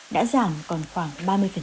đã giảm còn khoảng ba mươi